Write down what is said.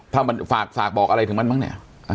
ถ้ามันฝากบอกอะไรถึงมันบ้างเนี่ย